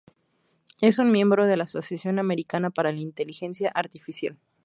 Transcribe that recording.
Es un miembro de la Asociación Americana para la Inteligencia Artificial.